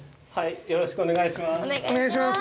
よろしくお願いします。